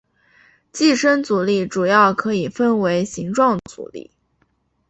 寄生阻力主要可以分为形状阻力。